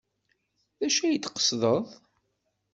D acu ay d-tqesdeḍ?